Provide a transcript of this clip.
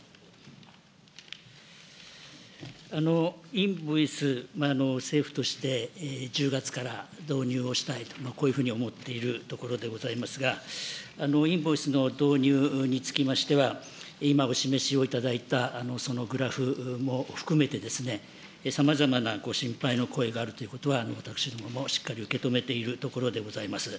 インボイス、政府として１０月から導入をしたいと、こういうふうに思っているところでございますが、インボイスの導入につきましては、今お示しをいただいた、そのグラフも含めてですね、さまざまなご心配の声があるということは、私どももしっかり受け止めているところでございます。